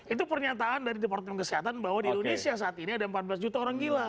itu pernyataan dari departemen kesehatan bahwa di indonesia saat ini ada empat belas juta orang gila